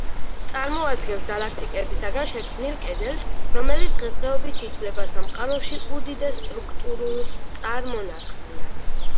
წარმოადგენს გალაქტიკებისგან შექმნილ კედელს, რომელიც დღესდღეობით ითვლება სამყაროში უდიდეს სტრუქტურულ წარმონაქმნად.